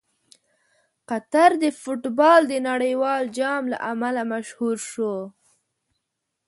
قطر د فټبال د نړیوال جام له امله مشهور شو.